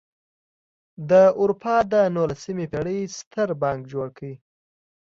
د اروپا د نولسمې پېړۍ ستر بانک جوړ کړ.